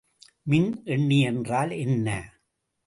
மின் எண்ணி என்றால் என்ன?